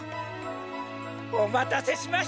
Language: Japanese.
おまたせしました！